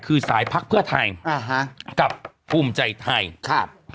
คือสายพักเพื่อไทยอ่าฮะกับภูมิใจไทยครับ